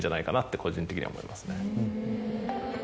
個人的には思いますね。